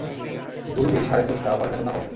গুরুই এই ষাঁড়ের দ্রষ্টা আবার যেন না বলে!